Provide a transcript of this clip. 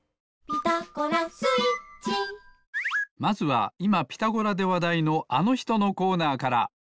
まずはいま「ピタゴラ」でわだいのあのひとのコーナーから。